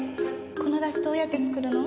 この出汁どうやって作るの？